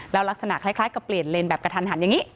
แล้วลักษณะคล้ายกับเปลี่ยนเลนแบบกระทันหันอย่างนี้